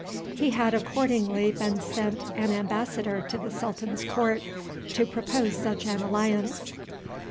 He had accordingly been sent an embassador to the sultan's court to propose such an alliance.